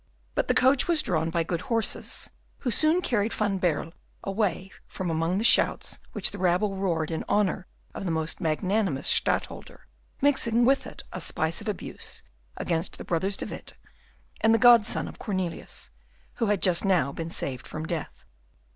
But the coach was drawn by good horses, who soon carried Van Baerle away from among the shouts which the rabble roared in honour of the most magnanimous Stadtholder, mixing with it a spice of abuse against the brothers De Witt and the godson of Cornelius, who had just now been saved from death.